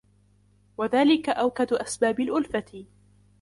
وَذَلِكَ أَوْكَدُ أَسْبَابِ الْأُلْفَةِ